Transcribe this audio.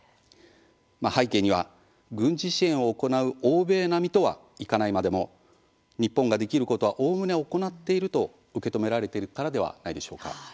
背景には軍事支援を行う欧米並みとはいかないまでも日本ができることはおおむね行っていると受け止められているからではないでしょうか。